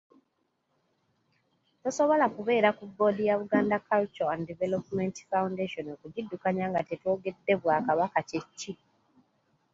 Tosobola kubeera ku boodi ya Buganda Cultural And Development Foundation okugiddukanya nga tetwogedde bwakabaka kye ki.